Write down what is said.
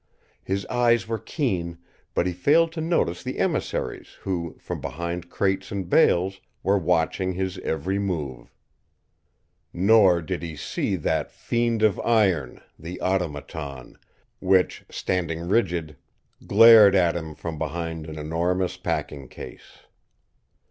His eyes were keen, but he failed to notice the emissaries who, from behind crates and bales, were watching his every move. Nor did he see that fiend of iron, the Automaton, which, standing rigid, glared at him from behind an enormous packing case.